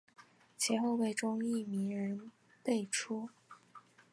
其后辈中亦名人辈出。